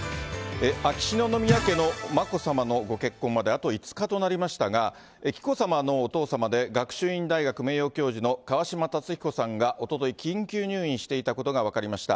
秋篠宮家の眞子さまのご結婚まであと５日となりましたが、紀子さまのお父様で、学習院大学名誉教授の川嶋辰彦さんがおととい、緊急入院していたことが分かりました。